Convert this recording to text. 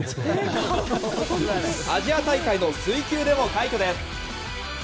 アジア大会の水球でも快挙です。